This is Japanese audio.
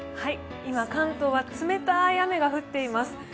今、関東は冷たい雨が降っています。